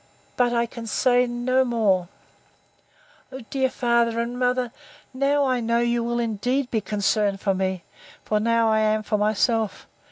But I can say no more— O my dear father and mother! now I know you will indeed be concerned for me;—for now I am for myself.